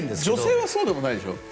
女性はそうでもないでしょ？